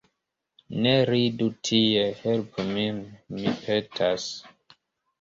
Ne ridu tie, helpu min, mi petas!